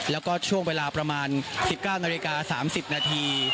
แล้วก็ช่วงเวลาประมาณ๑๙นาฬิกา๓๐นาที